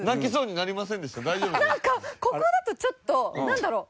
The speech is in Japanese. なんかここだとちょっとなんだろう？